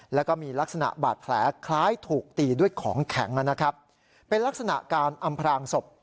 แล้วก็มีลักษณะบาดแผลคล้ายถูกตีด้วยของแข็งนะครับเป็นลักษณะการอำพรางศพ